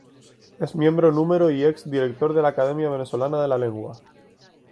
Es miembro Número y ex director de la Academia Venezolana de la Lengua.